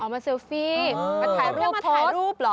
มาถ่ายรูปโพสต์